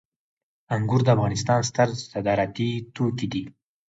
انګور د افغانستان ستر صادراتي توکي دي